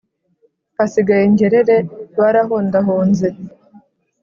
Hasigaye ngerere Barahondahonze